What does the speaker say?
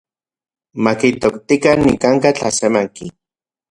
Makitoktikan nikanka’ tlasemanki.